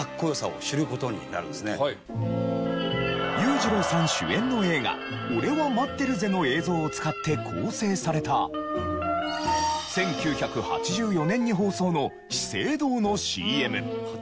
裕次郎さん主演の映画『俺は待ってるぜ』の映像を使って構成された１９８４年に放送の資生堂のＣＭ。